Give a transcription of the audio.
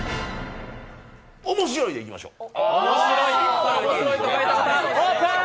面白い、でいきましょう。